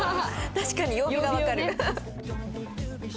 確かに曜日がわかる。